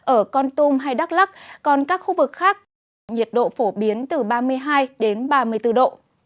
ở con tum hay đắk lắc còn các khu vực khác có nhiệt độ phổ biến từ ba mươi hai đến ba mươi bốn độ